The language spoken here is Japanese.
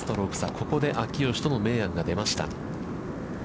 ここで秋吉との明暗が出ました。